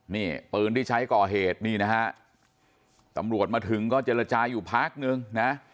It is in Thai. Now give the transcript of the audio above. นี่ปืนที่ใช้ก่อเหตุนี่นะฮะตำรวจมาถึงก็เจรจาอยู่พักนึงนะ